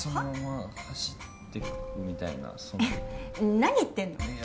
何言ってんの？